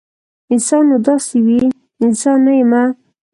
انسان نو داسې وي؟ انسان نه یمه